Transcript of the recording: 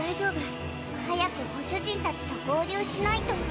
早くご主人たちと合流しないと。